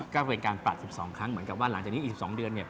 ก็เป็นการปลัด๑๒ครั้งเหมือนกับว่าหลังจากนี้อีก๒เดือนเนี่ย